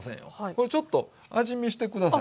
これちょっと味見して下さい。